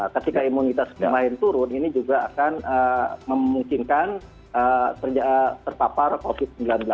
ketika imunitas pemain turun ini juga akan memungkinkan terpapar covid sembilan belas